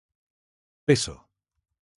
peso